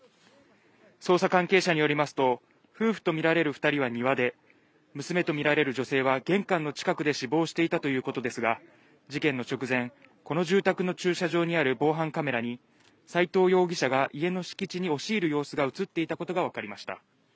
捜査関係者によりますと夫婦とみられる二人は庭で娘とみられる女性は玄関の近くで死亡していたということですが事件の直前この住宅の駐車場にある防犯カメラに斎藤容疑者が家の敷地に押し入る様子が映っていたことが分かりました